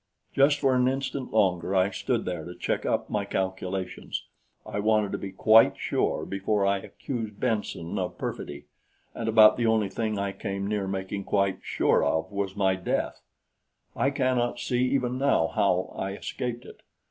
Just for an instant longer I stood there to check up my calculations I wanted to be quite sure before I accused Benson of perfidy, and about the only thing I came near making quite sure of was death. I cannot see even now how I escaped it.